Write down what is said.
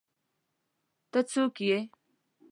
ته څوک ېې